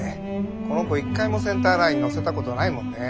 この子一回もセンターラインに乗せたことないもんねぇ。